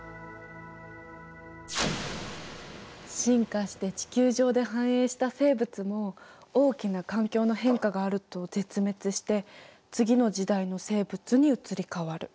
進化して地球上で繁栄した生物も大きな環境の変化があると絶滅して次の時代の生物に移り変わる。